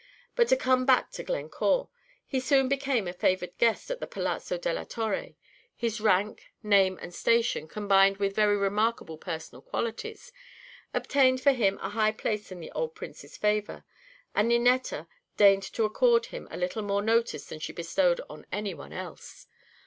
But to come back to Glencore. He soon became a favored guest at the Palazzo della Torre. His rank, name, and station, combined with very remarkable personal qualities, obtained for him a high place in the old Prince's favor, and Ninetta deigned to accord him a little more notice than she bestowed on any one else.